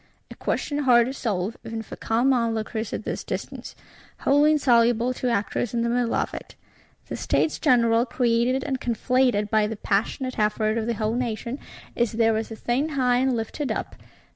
_ A question hard to solve, even for calm onlookers at this distance; wholly insoluble to actors in the middle of it. The States General, created and conflated by the passionate effort of the whole nation, is there as a thing high and lifted up.